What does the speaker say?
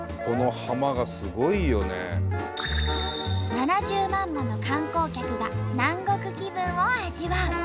７０万もの観光客が南国気分を味わう。